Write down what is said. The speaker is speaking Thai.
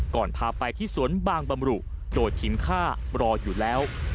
พาไปที่สวนบางบำรุโดยทีมค่ารออยู่แล้ว